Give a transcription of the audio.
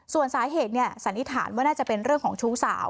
สันนิทานว่าน่าจะเป็นเรื่องของชูสาว